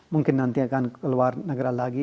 mungkin nanti akan ke luar negara lagi